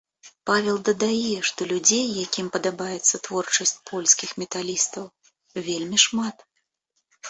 Павел дадае, што людзей, якім падабаецца творчасць польскіх металістаў, вельмі шмат.